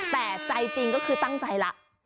แต่ใจจริงก็คือตั้งใจแล้ว